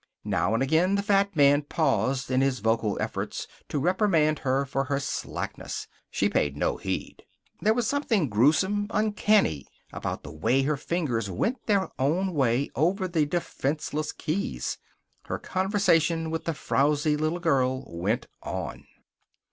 Now and again the fat man paused in his vocal efforts to reprimand her for her slackness. She paid no heed. There was something gruesome, uncanny, about the way her fingers went their own way over the defenseless keys. Her conversation with the frowzy little girl went on.